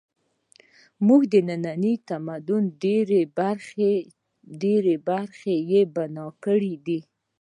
زموږ د ننني تمدن ډېرې برخې یې بنا کړې دي